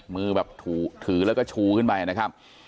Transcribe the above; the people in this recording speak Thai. มือแบบถือแล้วก็ชูขึ้นไปนะครับ